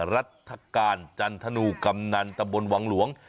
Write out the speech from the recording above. รัฐกาลจันทนูกำนันตะบนวังหลวง